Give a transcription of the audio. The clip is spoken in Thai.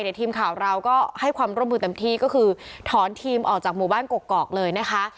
ทีมข่าวเราก็ให้ความร่วมมือเต็มที่ก็คือถอนทีมออกจากหมู่บ้านกกอกเลยนะคะ